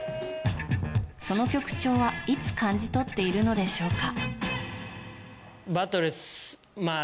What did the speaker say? その曲調は、いつ感じ取っているのでしょうか。